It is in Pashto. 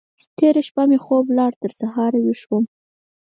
تېره شپه مې خوب ولاړ؛ تر سهار ويښ وم.